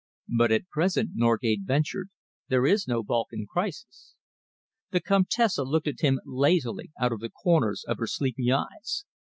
"But at present," Norgate ventured, "there is no Balkan Crisis." The Comtesse looked at him lazily out of the corners of her sleepy eyes.